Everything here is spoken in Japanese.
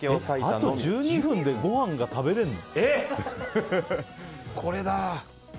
あと１２分でごはんが食べられるの？